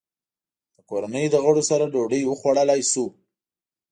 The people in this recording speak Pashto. د کورنۍ له غړو سره ډوډۍ وخوړلای شو.